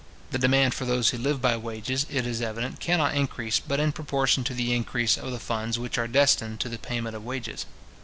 The demand for those who live by wages, it is evident, cannot increase but in proportion to the increase of the funds which are destined to the payment of wages.